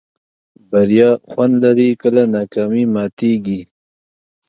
بریا خوند لري کله ناکامي ماتېږي.